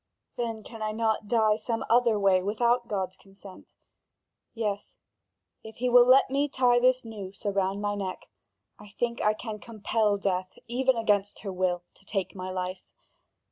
Then can I not die some other way, without God's consent? Yes, if he will let me tie this noose around my neck. I think I can compel death, even against her will, to take my life.